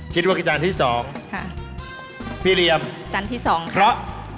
คิดว่าคือจานที่สองค่ะพี่เรียมจานที่สองค่ะเพราะ